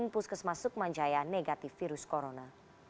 puskesmas sukmanjaya negatif virus corona